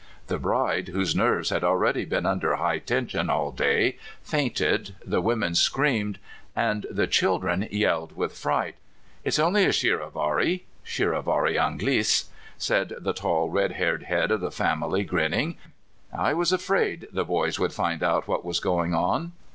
The bride, whose nerves had already been under high tension all day, fainted, the women screamed, and the children yelled with fright. " It's onl}^ a charivari'' {shivaree Anglice), said the tall, red haired head of the famil}^, grin ning. "I was afraid the boys would find out what was going on."